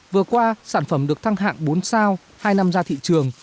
vừa qua sản phẩm được thăng hạng bốn sao hai năm ra thị trường